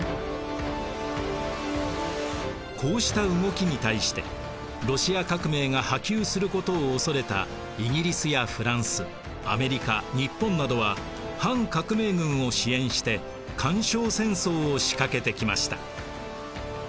こうした動きに対してロシア革命が波及することを恐れたイギリスやフランスアメリカ日本などは反革命軍を支援して干渉戦争を仕掛けてきました。